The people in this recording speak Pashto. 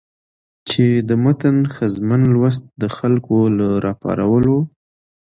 چې د متن ښځمن لوست د خلکو له راپارولو